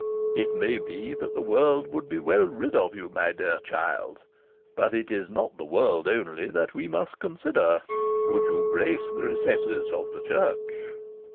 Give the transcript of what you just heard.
It may be that the world would be well rid of you, my dear child. But it is not the world only that we must consider. Would you grace the recesses of the Church?"